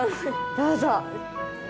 どうぞ。